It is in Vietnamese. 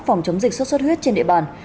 phòng chống dịch xuất xuất huyết trên địa bàn